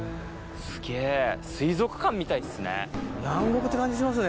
すげぇ水族館みたいっすね。